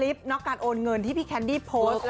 สายผู้ชมที่โอนเงินที่พี่แคนดี้โพสต์